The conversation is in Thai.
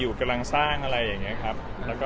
กำลังสร้างอะไรอย่างนี้ครับ